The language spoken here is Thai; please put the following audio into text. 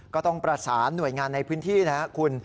ก็ต้องประสานหน่วยงานในพื้นที่นะครับคุณ